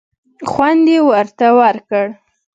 خوند یې ورته ورکړ.